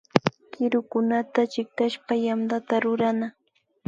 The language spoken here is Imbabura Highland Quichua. Kirukunata chiktashpa yantata rurana